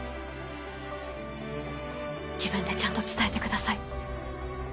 自分でちゃんと伝えてください。